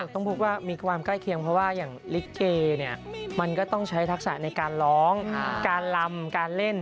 ต้องพบว่ามีความใกล้เคียงเพราะว่าอย่างลิเกเนี่ยมันก็ต้องใช้ทักษะในการร้องการลำการเล่น